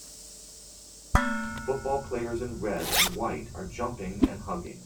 Football players in red and white are jumping and hugging.